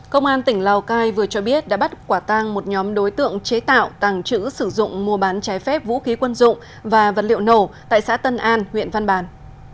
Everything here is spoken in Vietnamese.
công an tỉnh lào cai vừa cho biết đã bắt quả tang một nhóm đối tượng chế tạo tàng trữ sử dụng mua bán trái phép vũ khí quân dụng và vật liệu nổ tại xã tân an huyện văn bàn